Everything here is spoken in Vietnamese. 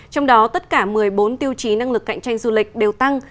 trong đó tất cả một mươi bốn tiêu chí năng lực cạnh tranh du lịch đều tăng